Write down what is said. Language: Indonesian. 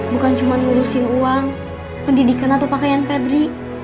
bukan cuma ngurusin uang pendidikan atau pakaian febri